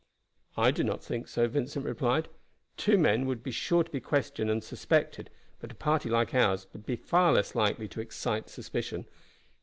"I do not think so," Vincent replied. "Two men would be sure to be questioned and suspected, but a party like ours would be far less likely to excite suspicion.